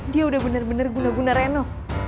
dia udah bener bener guna guna reno